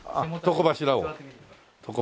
床柱をね。